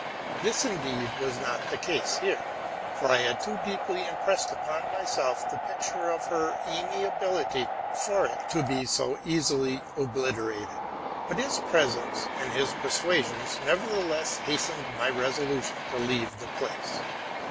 This, indeed, was not the case here, for I had too deeply impressed upon myself the picture of her amiability for it to be so easily obliterated ; but his presence and his persuasions nevertheless hastened my resolution to leave the place.